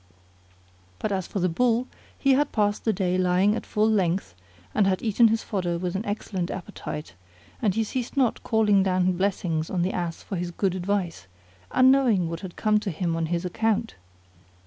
But as for the Bull, he had passed the day lying at full length and had eaten his fodder with an excellent appetite, and he ceased not calling down blessings on the Ass for his good advice, unknowing what had come to him on his account.